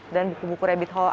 dan buku buku rabbit hole